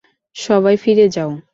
সবাই ফিরে যাও।